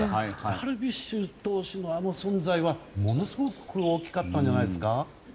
ダルビッシュ投手のあの存在はものすごく大きかったんじゃないですか。